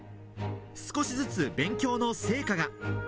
少しずつ勉強の成果が。